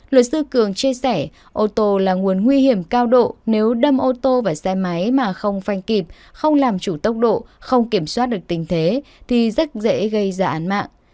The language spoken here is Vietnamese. luật sư cường chia sẻ ô tô là nguồn nguy hiểm cao độ nếu đâm ô tô và xe máy mà không phanh kịp không làm chủ tốc độ không kiểm soát được tình thế thì rất dễ gây ra án mạng